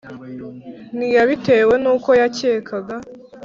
Ntiyabitewe n’uko yakekaga